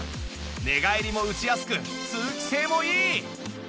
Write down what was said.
寝返りもうちやすく通気性もいい